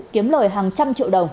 kiếm lời hàng trăm triệu đồng